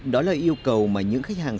đó là yêu cầu mà những khách hàng